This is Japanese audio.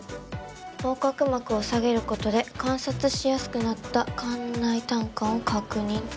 横隔膜を下げる事で観察しやすくなった肝内胆管を確認と。